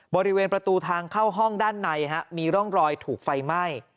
บริเวณประตูทางเข้าห้องด้านในมีร่องรอยถูกไฟไหม้